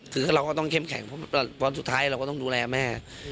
คือเราก็ต้องเข้มแข็งเพราะวันสุดท้ายเราก็ต้องดูแลแม่